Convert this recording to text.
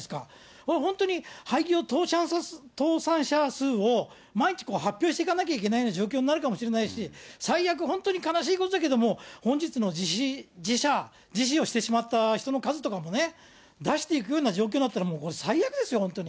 これ本当に廃業、倒産者数を、毎日発表していかなきゃいけないような状況になるかもしれないし、最悪、本当に悲しいことだけど、本日の自死者、自死をしてしまった人の数とかも、出していくような状況だったら、最悪ですよ、本当に。